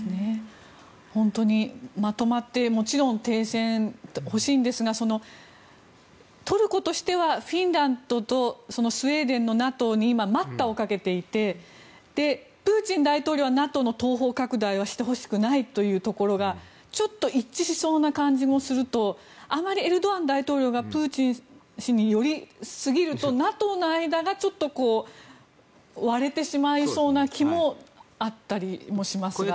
本当に、まとまってもちろん停戦してほしいんですがトルコとしてはフィンランドとスウェーデンのＮＡＴＯに今、待ったをかけていてプーチン大統領はＮＡＴＯの東方拡大はしてほしくないというところがちょっと一致しそうな感じもするとあまりエルドアン大統領がプーチン氏に寄りすぎるとＮＡＴＯの間がちょっと割れてしまいそうな気もあったりもしますが。